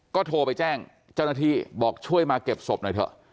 ก็โทรไปแจ้งเจ้าหน้าที่บอกช่วยมาเก็บศพหน่อยเถอะ